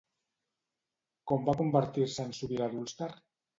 Com va convertir-se en sobirà d'Ulster?